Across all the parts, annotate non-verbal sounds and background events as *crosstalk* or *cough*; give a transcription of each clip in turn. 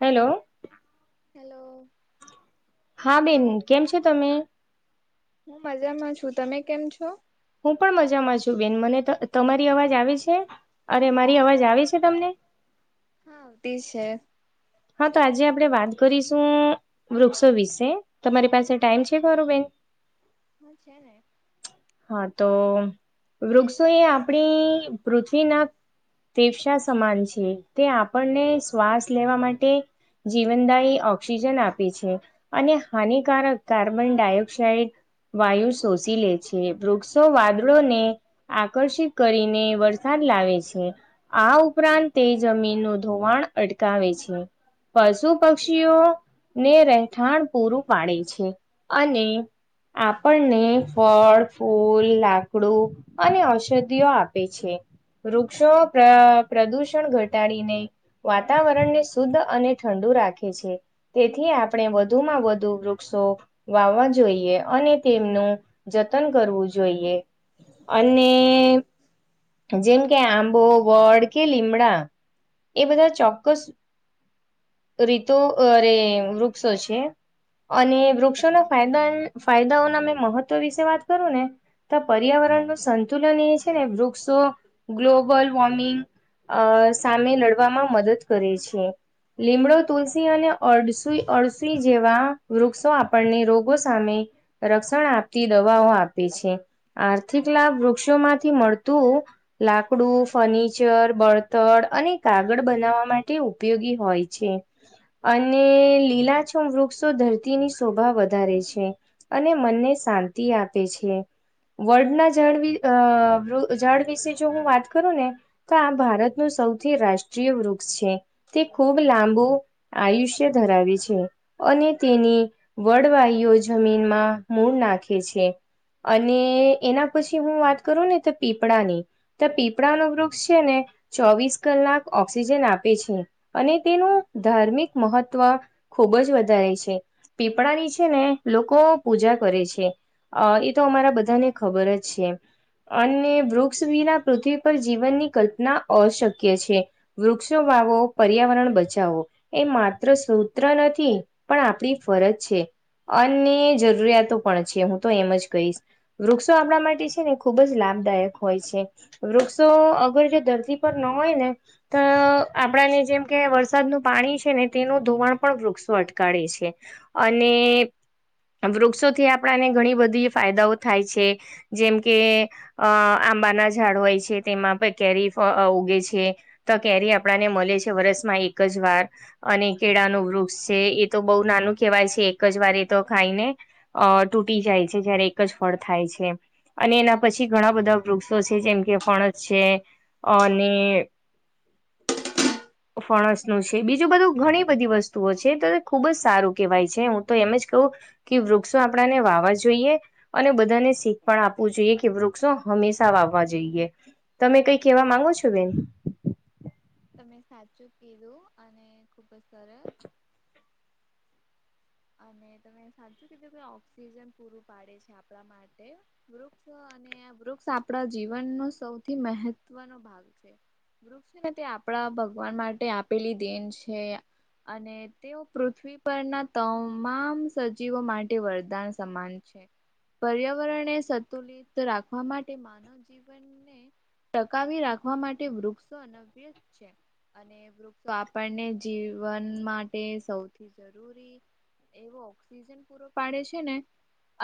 Hello hello હા બેન કેમ છે તમે હું મજામાં છું તમે કેમ છો હું પણ મજામાં છું બેન મને તમારી અવાજ આવી છે અરે મારી અવાજ આવી છે તમને? હા તે છે હા તો આજે આપણે વાત કરીશું વૃક્ષો વિશે તમારી પાસે ટાઈમ છે ખરુંબેન હા છે ને હા તો વૃક્ષો એ આપણી પૃથ્વી ના તેેફસા સમાન છે તે આપણને શ્વાસ લેવા માટે જીવનદાયી ઓક્સિજન આપે છે. અને હાનિકારક કાર્બન ડાયોક્સાઈઇડ વાયુ શોષી લે છે વૃક્ષો વાદળોને આકર્ષિત કરીને વરસાદ લાવે છે આ ઉપરાંત તે જમીનનું ધોવાણ અટકાવે છે પશુ પક્ષીઓ ને રહેઠાણ પૂરું પાડે છે અને આપણને ફળ ફૂલ, લાકડું અને ઔષધિઓ આપે છે. વૃક્ષો પ્રદુષણ ઘટાડીને વાતાવરણને શુદ્ધ અને ઠંડુ રાખે છે. તેથી આપણે વધુમાં વધુ વૃક્ષો વાવવા જોઈએ અને તેમનું જતન કરવું જોઈએ અને જેમ કે આંબો, વડ કે લીમડા એ બધા ચોક્કસ રીતો અરે વૃક્ષો છે. અને વૃક્ષોના ફાયદા ફાયદાઓના મેં મહત્વ વિશે વાત કરું ને તો પર્યાવરણ નું સંતુલન એ છે ને વૃક્ષો, ગ્લોબલ વોર્મિંગ અ સામે લડવામાં મદદ કરે છે. લીમડો, તુલસી અને અડસુ અડસુઈ જેવા વૃક્ષો આપણને રોગો સામે રક્ષણ આપતી દવાઓ આપે છે. આર્થિક લાભ વૃક્ષો માંથી મળ તું લાકડું, ફર્નિચર, બળતર અને કાગળ બનાવવા માટે ઉપયોગી હોય છે. અને લીલા છમ વૃક્ષો ધરતીની શોભા વધારે છે. અને મનને શાંતિ આપે છે. વડના ઝાડ ઉજાડ વિશે જો હું વાત કરું ને તો આ ભારતનું સૌથી રાષ્ટ્રીય વૃક્ષ છે. તે ખૂબ લાંબુ આયુષ્ય ધરાવે છે. અને તેની, વડવાઈઓ જમીનમાં મૂળ નાખે છે. અને એના પછી હું વાત કરું ને તો પીપળા ની. તો પીપળા નું વૃક્ષ છે ને. ચોવીસ કલાક ઓક્સિજન આપે છે, અને તેનું ધાર્મિક મહત્ત્વ ખૂબ જ વધારે છે, પીપળાની છે ને લોકો પૂજા કરે છે. અ એ તો અમારા બધાને ખબર જ છે, અને વૃક્ષ વિના પૃથ્વી પર જીવનની કલ્પના અશક્ય છે. વૃક્ષો વાવો પર્યાવરણ બચાવો. એ માત્ર સૂત્ર નથી પણ આપણી ફરજ છે. અન જરૂરિયાતો પણ છે હું તો એમ જ કહીશ. વૃક્ષો આપણા માટે છે ને ખુબ જ લાંબ દાયક હોય છે, વૃક્ષો અગર જે દરતી પર ન હોય ને. અ આપણાને જેમ કે વરસાદનું પાણી છે ને તેનું ધોવાણ પણ વૃક્ષો અટકડે છે. અને વૃક્ષોથી આપણને ઘણી બધી ફાયદાઓ થાય છે, જેમ કે અ આંબાના ઝાડ હોય છે તેમાં કેરીફ ઉગે છે. તો કેરી આપણને મળે છે વરસમાં એક જ વાર. અને કેળાનું વૃક્ષ છે એ તો બહુ નાનું કહેવાય છે એક જ વાર એ તો ખાઈને. અ તૂટી જાય છે જયારે એક જ ફળ થાય છે, અને એના પછી પ ઘણા બધા વૃક્ષો છે જેમ કે ફણસ છે, અને *inaudible* ફણસ નું છે બીજું બધું ઘણી બધી વસ્તુઓ છે તો ખુબ જ સારું કેહેવાય છે હું તો એમ જ કહું. કે વૃક્ષો આપણાને વાવા જોઈએ, અને બધાને શીખ પણ આપવું જોઈએ કે વૃક્ષ વો હંમેશા વાવવા જઈએ, તમે કઈ કેવા માંગો છો બેન? તમે સાચું કીધું અને ખુબ જ સરસ. અને તમે સાચું કે જેઈ ઓક્સિજન પૂરું પાડે છે આપણા માટે, બ અને આ વૃક્ષ આપણા જીવનનો સૌથી મહત્વનો ભાગ છે. વૃ તે આપડા ભગવાન માટે આપેલી દેન છે. અને તેઓ પૃથ્વી પરના તમામ સજીવો માટે વરદાન સમાન છે પર્યાવરણને સંતુલિત રાખવા માટે માનવ જીવન ટકાવી રાખવા માટે વૃક્ષો અનવ્ય છે અને વૃક્ષો આપણને જીવન માટે સૌથી જરૂરી એવો ઓક્સિજન પૂરો પાડે છે ને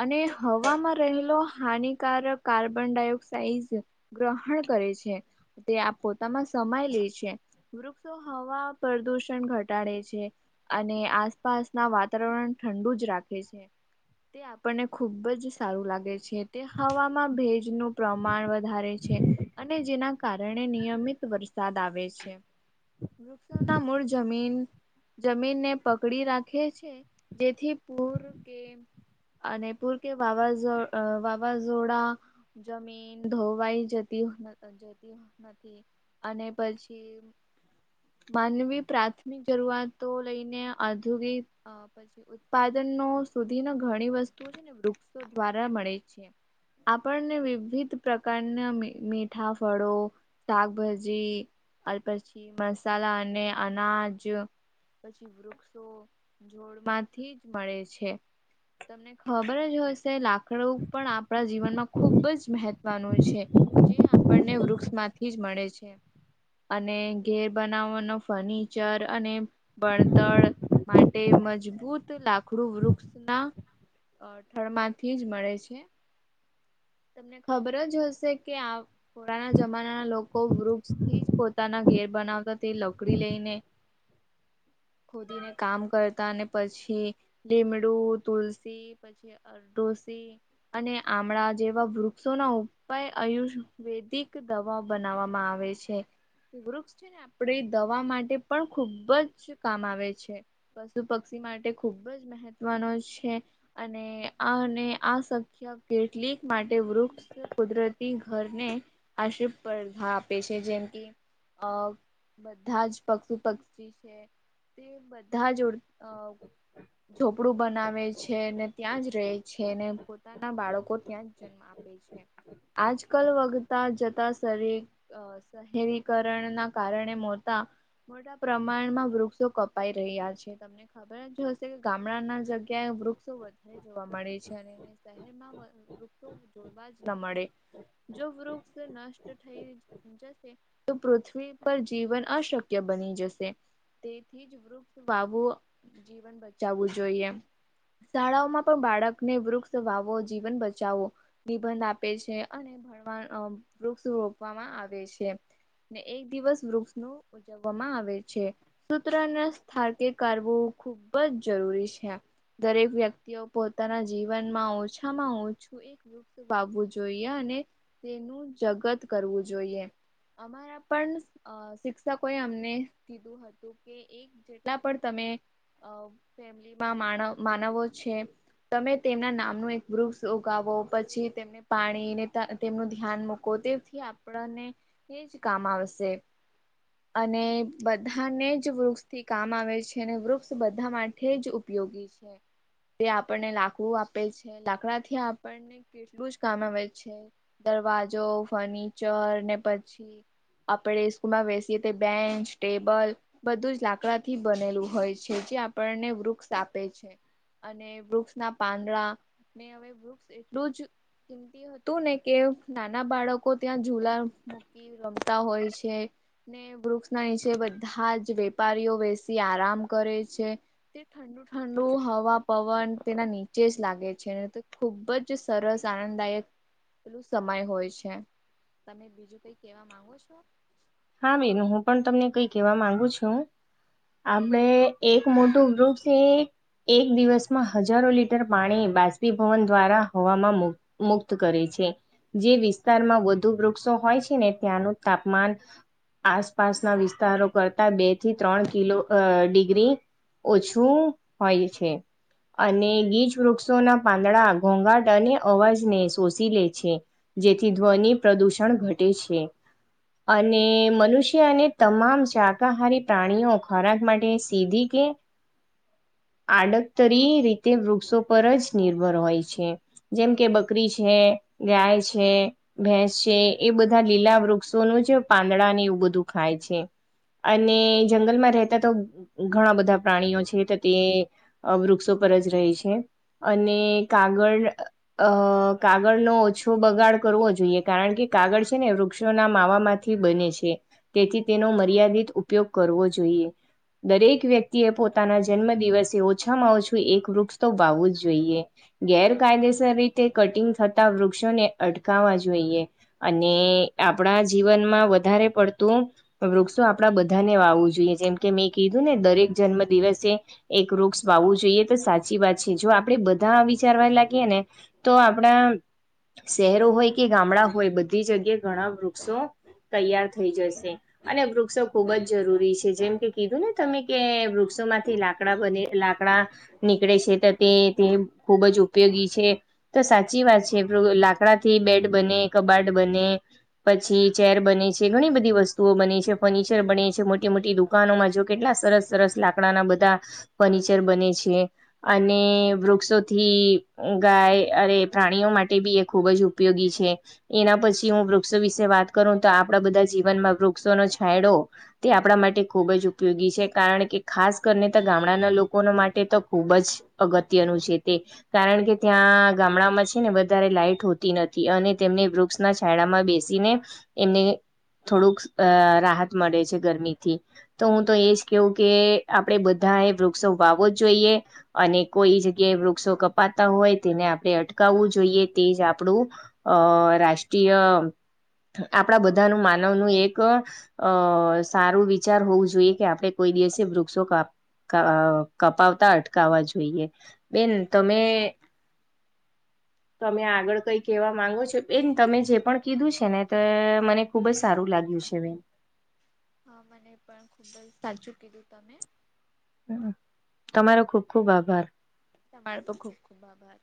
અને હવામાં રહેલો હાનિકારક કાર્બન ડાયોક્સાઇડ ગ્રહણ કરે છે તે આ પોતામાં સમમાય લે છે વૃક્ષો હવા પ્રદુષણ ઘટાડે છે અને આસપાસ ના વાતાવરણ ઠંડુ જ રાખે છે *inaudible* તે આપણને ખુબ જ સારું લાગે છે તે હવામાં ભેજનું પ્રમાણ વધારે છે અને જેના કારણે નિયમિત વરસાદ આવે છે વૃક્ષોના મૂળ જમીન જમીનને પકડી રાખ છે જેથી પૂર કે અનપુર કે વાવાઝો વાવાઝોડા જમીન ધોવાઈ જતી જતી નથી અને પછી માનવી પ્રાથમિક જરૂઆતો લઈને આધગિક અ પછી ઉત્પાદન ન સુધી ના ઘણી વસ્તુઓ છે ને વૃક્ષો દ્વારા મળે છે આપણને વિવિધ પ્રકારના મીઠા ફળો શાકભાજી પછી મસાલા અને અનાજ પછી વૃક્ષો જોડમાંથી જ મળે છે તમને ખબર જ હોશે લા પણ આપણા જીવનમાં ખુબ જ મહત્વનું છે જે આપણને વૃક્ષમાંથી જ મળે છે અને ઘેર બનાવવાનો ફર્નિચર અને બણતર તે મજબૂત લાખડું વૃક્ષના અ ઠળમાંથી જ મળે છે તમને ખબર જ હશે કે પોરાના જમાનાના લોકો વૃક્ષથી જ પોતાના ઘેર બનાવતા તે લકડી લઈને *inaudible* ખોદીને કામ કરતા અનેને પછી લીમડું તુલસી પછી અર ડોસી અને આમળા જેવા વૃક્ષોના ઉપાય આયુર્વેદિક દવા બનાવવામાં આવે છે વૃક્ષ છે ને આપણે દવા માટે પણ ખુબ જ કામ આવે છે પશુ પક્ષી માટે ખુબ જ મહત્વનો છે અને આ આ શખ્ય કેટલીક માટે વૃક્ષ કુદરતી ઘરને આશ સ્પર્ધા આપે છે જેમ કે અ બધા જ પક્ષુ પક્ષી છે તે ધા જોડોપ કપડું બનાવે છે ને ત્યાં જ રહે છે ને પોતાના બાળકો ત્યાં જ જન્મ આપે છે આજ કલ વગતા જતા શરીર શહેરીકરણ ના કારણે મોટા મોટા પ્રમાણમાં વૃક્ષો કપાય તો એ યાદ છે તમને? ખબર જ હોશે કે ગામડાના જગ્યાએ વૃક્ષો વધારે જોવા મળે છે. અને શહેરમાં વધ વૃક્ષો જોવા જ ન મળે જો વૃક્ષ નષ્ટ થઈ જસે તો પૃથ્વી પર જીવન અશક્ય બની જશે તેથી જ વૃ વાવું જીવન બચાવું જોઈએ શાળાઓમાં પણ બાળકને વૃક્ષ વાવો જીવન બચાવો નિબંધ આપે છે અને ભણવા વૃક્ષ રોપવામાં આવે છે ને એક દિવસ વૃક્ષ ન ઉજવવામાં આવે છે સૂત્રના થડકે કરઢવું ખુબ જ જરૂરી છે દરેક વ્યક્તિઓ પોતાના જીવનમાં ઓછામાં ઓછું મુુક્ત વાવવું જોઈએ અને તેનું જગત કરવું જોઈએ અમારા પણ શિક્ષકોએ અમને કીધું હતું કે એક જે જેટલા પણ તમે અ ફેમિલીમાં માણ માનવો છે. તમે તેમના નામનું એક ગ્રુપ ઉગાવો પછી તેમને પાણીને તા તેમનું ધ્યાન મૂકો તેથી આપણને તે જ કામ આવશે. અને બધાને જ વૃક્ષથી કામ આવે છે ને વૃક્ષ બધા માઠે જ ઉપયોગી છે. તે આપણને લાકડું આપે છે લાકડાથી આપણને કેટલું જ કામ આવે છે. દરવાજો, ફર્નિચર ને પછી આપણે સ્કૂલમાં બેસીએ તે બેન્ચ, ટેબલ બધું જ લાક કડાથી બનેલું હોય છે. જે આપણને વૃક્ષ આપે છે. અને વૃક્ષના પાંદડા ને હવે વૃક્ષ એટલું જ મેનતી હતું ને કે નાના બાળકો ત્યાં ઝૂલા મૂકી રમતા હોય છે. ને વૃક્ષના નીચે બધા જ વેપારીઓ બેસી આરામ કરે છે. તે ઠંડુ ઠંડુ હવા, પવન તેના નીચે જ લાગે છે. અને તે ખૂબ જ સરસ આનંદદાયક પેલું સમય હોય છે. તમે બીજું કઈ કેવા માંગો છો? હા બેન હું પણ તમને કઈ કેવા માંગુ છું. આપણે એક મોટું વૃક્ષ એ એક દિવસમાં હજારો લીટર પાણી બાષ્પીભવન દ્વારા હવામાં મુક મુક્ત કરે છે. જે વિસ્તારમાં વધુ વૃક્ષો હોય છે ને ત્યાંનું તાપમાન આસપાસના વિસ્તારો કરતા બે થી ત્રણ કિલો અ ડિગ્રી ઓછું હોય છે. અને ઘીચ વૃક્ષોના પાંદડા, ઘોઘાટ અને અવાજને શોષી લે છે. જેથી ધ્વનિ પ્રદૂષણ ઘટે છે. અને મનુષ્ય અને તમામ શાકાહારી પ્રાણીઓ ખોરાક માટે સીધી કે આડકતરી રીતે વૃક્ષો પર જ નિર્ભર હોય છે. જેમ કે બકરી છે, ગાય છે. ભેંસ છે એ બધા લીલા વૃક્ષોનું જ પાંદડાને એવું બધું ખાય છે. અને જંગલમાં રહેતા તો ઘણા બધા પ્રાણીઓ છે. તે અ વૃક્ષો પર જ રહે છે. અને કાગળ અ કાગળનો ઓછો બગાડ કરવો જોઈએ. કારણ કે કાગળ છે ને વૃક્ષોના માવામાં થી બને છે. તેથી તેનો મર્યાદિત ઉપયોગ કરવો જોઈએ. દરેક વ્યક્તિએ પોતાના જન્મદિવસે ઓછામાં ઓછું એક વૃક્ષ તો વાવવું જ જોઈએ. ગેરકાયદેસર રીતે કટિંગ થતા વૃક્ષોને અટકાવવા જોઈએ. અને આપણા જીવનમાં વધારે પડતું વૃક્ષો આપડા બધાને વાવું જોઈએ. જેમ કે મેં કીધું ને દરેક જન્મદિવસે એક વૃક્ષ વાવું જોઈએ તો સાચી વાત છે જો આપણેે બધા વિચારવા લાગીએ ને તો આપણા શહેરો હોય કે ગામડા હોય બધી જગ્યાએ ઘણા વૃક્ષો તૈયાર થઈ જશે. અને વૃક્ષો ખુબ જ જરૂરી છે જેમ કે કીધું ને તમે કે વૃક્ષોમાંથી લાગ લાકડા બને લાકડા નીકળે છે, તો તે તે ખુબ જ ઉપયોગી છે. તો સાચી વાત છે લાકડા થી બેડ બને કબાટ બને. પછી ચેર બને છે. ઘણી બધી વસ્તુઓ બને છે. ફર્નિચર બને છે મોટી મોટી દુક કાનોમાં જો કેટલા સરસ સરસ લાકડાના બધા ફર્નિચર બને છે. અને વૃક્ષોથી ગાય અરે પ્રાણીઓ માટે બી એ ખૂબ જ ઉપયોગી છે. એના પછી હું વૃક્ષો વિશે વાત કરું તો આપણા બધા જીવનમાં વૃક્ષોનો છાયડો તે આપણા માટે ખૂબ જ ઉપયોગી છે. કારણ કે ખાસ કરને ત ગામડાના લોકોના માટે તો ખુબ જ અગત્યનું છે તે. કારણ કે ત્યાં ગામડામાં છે ને વધારે લાઈટ હોતી નથી અને તેમને વૃ વ ના છાયડામાં બેસીને, એમને થોડુંક અ રાહત મળે છે ગરમીથી, તો હું તો એજ કેવું કે આપડે બધ બધાએ વૃક્ષો વાવો જોઈએ. અને કોઈ જગ્યાએ વૃક્ષો કપાતા હોય તેને આપણે અટકાવવું જોઈએ તે જ આપણું અ રાષ્ટ્રીય આપણા બધાનું માનવનું એક અ સારું વિચાર હોવું જોઈએ કે આપડણે કોઈ દિવસે વૃક્ષો કાપ કપાવતા અટકાવવા જોઈએ, બેન તમે તમે આગળ કઈ કેવા માંગો છો એન તમે જે પણ કીધું છે ને તો મને. ખુબ જ સારું લાગ્યું છે મે. હા મને પણ ખુબ જ સાચું કીધું તમે. હ તમારો ખુબ ખુબ આભાર. તમાળ પર ખૂબ ખૂબ આભાર.